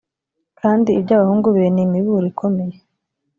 kandi iby abahungu be n imiburo ikomeye